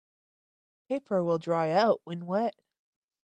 Paper will dry out when wet.